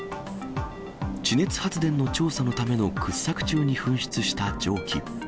地熱発電の調査のための掘削中に噴出した蒸気。